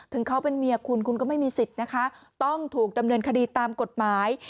ถึงเขาเป็นเมียคุณคุณก็ไม่มีสิทธิ์นะคะต้องถูกดำเนินคดีตามกฎหมาย